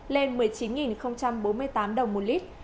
lên một mươi chín bốn mươi tám đồng một lít